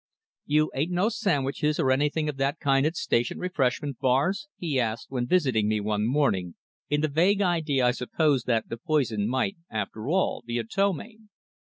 "You ate no sandwiches, or anything of that kind at station refreshment bars?" he asked, when he visited me one morning, in the vague idea, I suppose, that the poison might, after all, be a ptomaine.